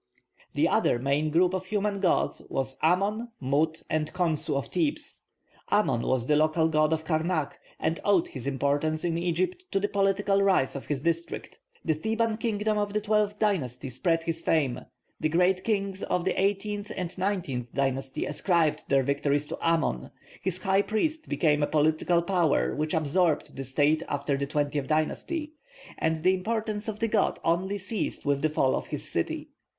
The other main group of human gods was Amon, Mut, and Khonsu of Thebes. Amon was the local god of Karnak, and owed his importance in Egypt to the political rise of his district. The Theban kingdom of the twelfth dynasty spread his fame, the great kings of the eighteenth and nineteenth dynasty ascribed their victories to Amon, his high priest became a political power which absorbed the state after the twentieth dynasty, and the importance of the god only ceased with the fall of his city.